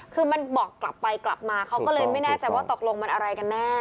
คือมันบอกกลับไปกลับมาเขาก็เลยไม่แน่ใจว่าตกลงมันอะไรกันแน่